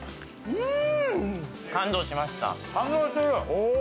うん。